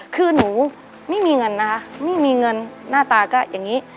คือหนูไม่มีเงินนะคะไม่มีเงินหน้าตาก็อย่างนี้